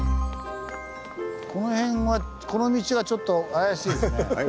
この辺はこの道はちょっと怪しいですね。